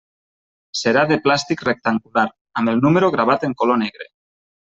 Serà de plàstic rectangular, amb el número gravat en color negre.